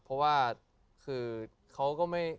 เพราะว่าคือเขาก็ไม่